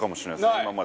今まで。